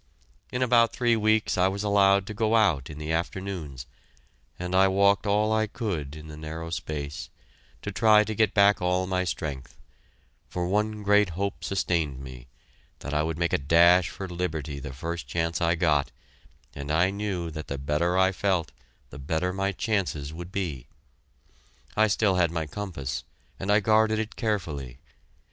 In about three weeks I was allowed to go out in the afternoons, and I walked all I could in the narrow space, to try to get back all my strength, for one great hope sustained me I would make a dash for liberty the first chance I got, and I knew that the better I felt, the better my chances would be. I still had my compass, and I guarded it carefully.